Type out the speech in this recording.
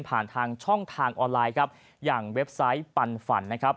ทางช่องทางออนไลน์ครับอย่างเว็บไซต์ปันฝันนะครับ